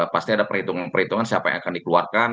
pasti ada perhitungan perhitungan siapa yang akan dikeluarkan